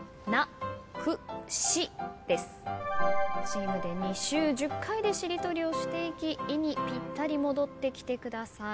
チームで２周１０回でしりとりをしていき「い」にぴったり戻ってきてください。